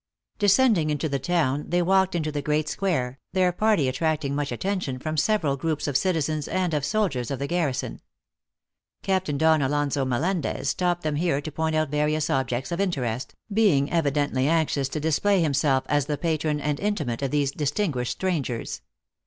Descending into the town, they walked into the great square, their party attracting much attention from several groups of citizens and of soldiers of the garrison. Captain Don Alonso Melendez stopped them here to point out various objects of interest, being evidently anxious to display himself as the patron and intimate of these distinguished strangers.